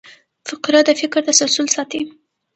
فقره د فکر تسلسل ساتي.